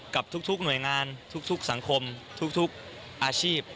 กับทุกหน่วยงานทุกสังคมทุกอาชีพ